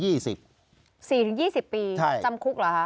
๔๒๐ปีจำคุกเหรอคะ